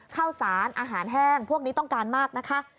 ข้าวสารอาหารแห้งพวกนี้ต้องการมากนะคะ